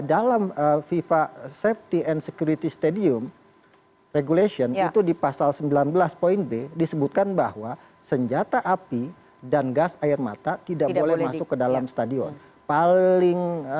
dalam fifa safety and security stadium regulation itu di pasal sembilan belas poin b disebutkan bahwa senjata api dan gas air mata tidak boleh masuk ke dalam stadion